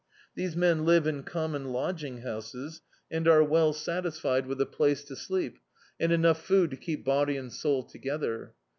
These men live in OHnmon lodging bouses, and are well satisfied with a place to sleep and enough food to keep body and soul together.